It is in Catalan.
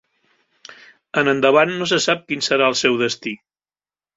En endavant, no se sap quin serà el seu destí.